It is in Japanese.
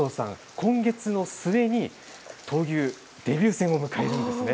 今月の末に闘牛のデビュー戦を迎えるんです。